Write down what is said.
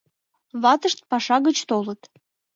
Ватышт паша гыч толыт.